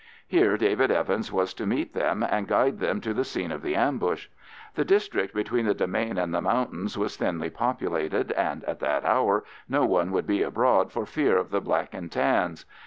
Here David Evans was to meet them and guide them to the scene of the ambush. The district between the demesne and the mountains was thinly populated, and at that hour no one would be abroad for fear of the Black and Tans.